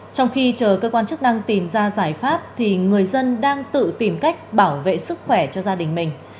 trong khi chờ cơ quan chức năng tìm ra giải pháp thì người dân đang tự tìm cách bảo vệ sức khỏe cho gia đình mình